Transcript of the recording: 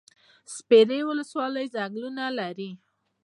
سپیرې ولسوالۍ ځنګلونه لري؟